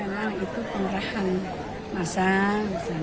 ya kalau memang itu penerahan masyarakat